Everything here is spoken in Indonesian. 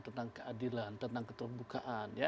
tentang keadilan tentang keterbukaan